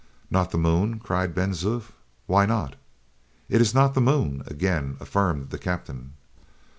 "Not the moon?" cried Ben Zoof. "Why not?" "It is not the moon," again affirmed the captain.